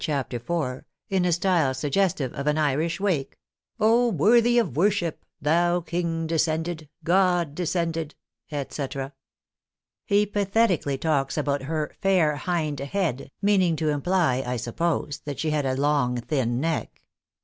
chap 4), in a style suggestive of an Irish wake. " Oh ! worthy of worship, thou king descended, god de scended," etc. He pathetically talks about her fair hind head," meaning to imply, I suppose, that she had a long, thin neck.